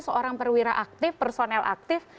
seorang perwira aktif personel aktif